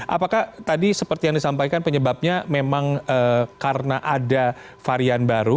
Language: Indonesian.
apakah tadi seperti yang disampaikan penyebabnya memang karena ada varian baru